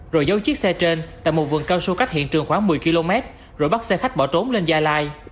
rồi giấu chiếc xe trên tại một vườn cao su cách hiện trường khoảng một mươi km rồi bắt xe khách bỏ trốn lên gia lai